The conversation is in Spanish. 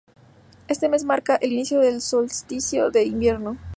Este mes marca el inicio del solsticio de invierno.